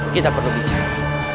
kita perlu bicara